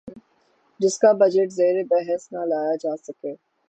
جس کا بجٹ زیربحث نہ لایا جا سکے